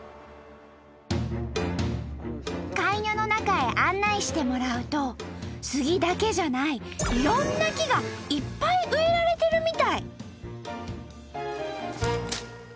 カイニョの中へ案内してもらうとスギだけじゃないいろんな木がいっぱい植えられてるみたい！